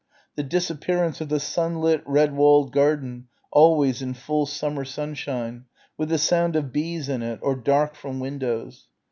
the disappearance of the sunlit red walled garden always in full summer sunshine with the sound of bees in it or dark from windows